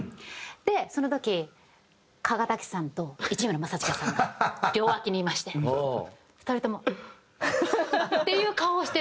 でその時鹿賀丈史さんと市村正親さんが両脇にいまして２人ともっていう顔をしてるんですよ。